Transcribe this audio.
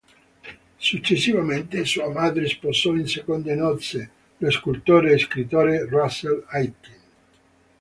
Successivamente sua madre sposò in seconde nozze lo scultore e scrittore Russell Aitken.